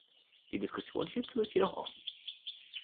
Die Diskussion hierzu ist jedoch offen.